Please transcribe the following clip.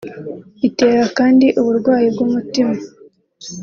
Itera kandi uburwayi bw’umutima